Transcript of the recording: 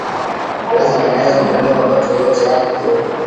Viazi vinaweza kuliwa wakati wowote yaani jioni